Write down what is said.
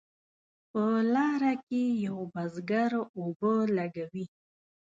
په لار کې یو بزګر اوبه لګوي.